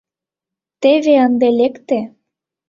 Теве ынде лекте.